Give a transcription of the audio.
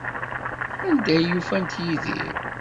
Anda ay ufant Yidir?